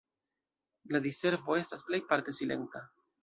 La diservo estas plejparte silenta.